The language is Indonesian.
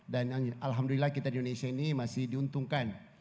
dan alhamdulillah kita di indonesia ini masih diuntungkan